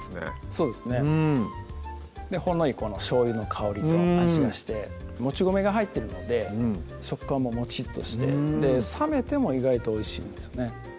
そうですねほんのりしょうゆの香りと味がしてもち米が入ってるので食感ももちっとして冷めても意外とおいしいんですよね